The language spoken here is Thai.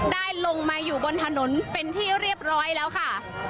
ได้ลงมาอยู่บนถนนเป็นที่เรียบร้อยแล้วค่ะ